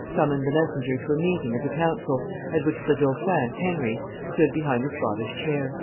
summoned the messenger to a meeting of the council, at which the dauphin, Henry, stood behind his father's chair.